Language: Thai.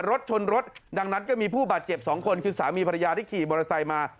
รถชนรถดังนั้นก็มีผู้บาดเจ็บสองคนคือสามีภรรยาที่ขี่มอเตอร์ไซค์มา